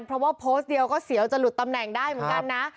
เพราะว่าโพสต์เดียวก็เสียวจะหลุดตำแหน่งได้เหมือนกันนะ